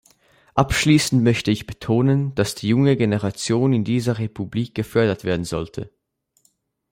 Abschließend möchte ich betonen, dass die junge Generation in dieser Republik gefördert werden sollte.